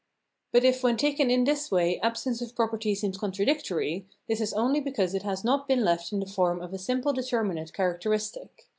But if when taken in this way absence of property seems contradictory, this is only because it has not been left in the form of a simple determinate characteristic.